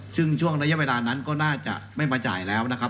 ซึ่งช่วงระยะเวลานั้นก็น่าจะไม่มาจ่ายแล้วนะครับ